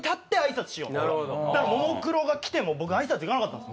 ももクロが来ても僕挨拶行かなかったんですよ。